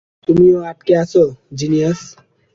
তুমিও আটকে আছো, জিনিয়াস।